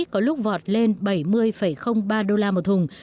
có lúc vọt lên bảy mươi ba đô la một thùng